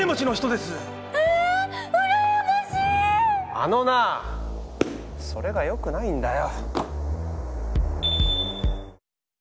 あのなそれがよくないんだよ。